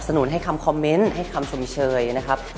นุนให้คำคอมเมนต์ให้คำชมเชยนะครับ